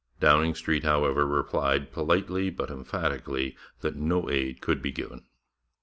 Downing Street, however, replied politely but emphatically that no aid could be given.